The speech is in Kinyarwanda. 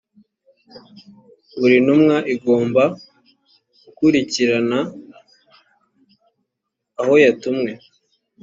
buri ntumwa igomba gukurikirana ahoyatumwe.